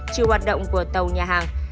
chiều hoạt động của tàu nhà hàng